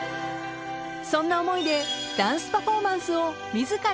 ［そんな思いでダンスパフォーマンスを］